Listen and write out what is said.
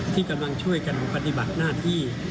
ที่กำลังช่วยกันปฏิบัติหน้าที่